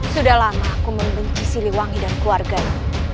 sudah lama aku membenci siliwangi dan keluarganya